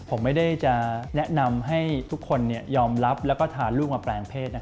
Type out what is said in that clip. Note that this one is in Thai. ผมไม่ได้จะแนะนำให้ทุกคนยอมรับแล้วก็ทานลูกมาแปลงเพศ